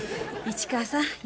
市川さん